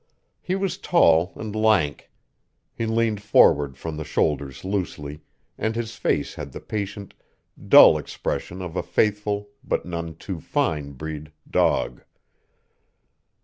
He was tall and lank. He leaned forward from the shoulders loosely, and his face had the patient, dull expression of a faithful, but none too fine breed, dog.